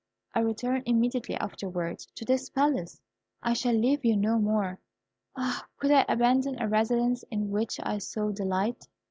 I return immediately afterwards to this palace. I shall leave you no more. Ah! could I abandon a residence in which I so delight!